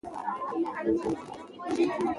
ـ پلار په کور نشته، مور نه ډار نشته.